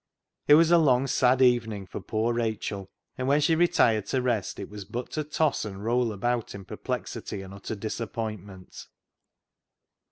It was a long, sad evening for poor Rachel, and when she retired to rest it was but to toss and roll about in perplexity and utter disap pointment.